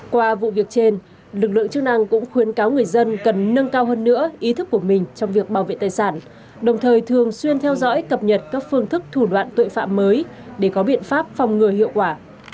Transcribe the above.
qua vụ việc trên lực lượng chức năng cũng khuyến cáo người dân cần nâng cao hơn nữa ý thức của mình trong việc bảo vệ tài sản đồng thời thường xuyên theo dõi cập nhật các phương thức thủ đoạn tội phạm mới để có biện pháp phòng ngừa hiệu quả